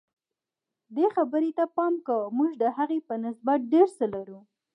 دې خبرې ته پام کوه موږ د هغې په نسبت ډېر څه لرو.